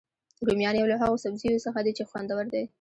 رومیان یو له هغوسبزیو څخه دي چې خوندور دي